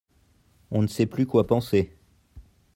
On ne sait plus quoi penser.